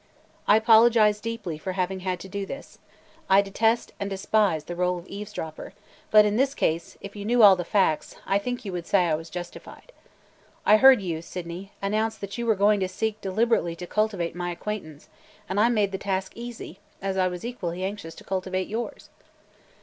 I apologize deeply for having had to do this. I detest and despise the role of eavesdropper, but in this case if you knew all the facts, I think you would say I was justified. I heard you, Sydney, announce that you were going to seek deliberately to cultivate my acquaintance, and I made the task easy, as I was equally anxious to cultivate yours."